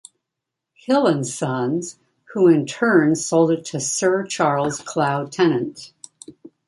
Hill and Sons, who in turn sold it to Sir Charles Clow Tennant.